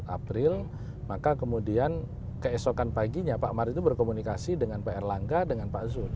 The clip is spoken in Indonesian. empat april maka kemudian keesokan paginya pak mar itu berkomunikasi dengan pak erlangga dengan pak zul